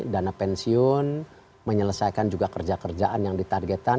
dana pensiun menyelesaikan juga kerja kerjaan yang ditargetkan